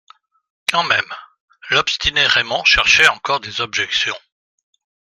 Quand même, l'obstiné Raymond cherchait encore des objections.